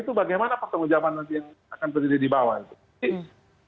itu bagaimana pake uang jaman nanti yang akan terjadi di bawah itu